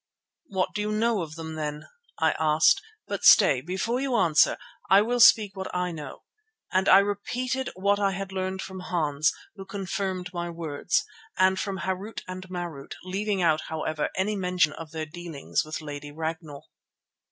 "What do you know of them then?" I asked. "But stay—before you answer, I will speak what I know," and I repeated what I had learned from Hans, who confirmed my words, and from Harût and Marût, leaving out, however, any mention of their dealings with Lady Ragnall.